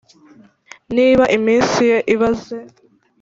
Niba iminsi ye ibaze